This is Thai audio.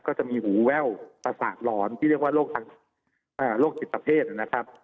ก็จะมีหูแว่วประสาทหลอนที่เรียกว่าโรคทางโรคจิตประเภทนะครับ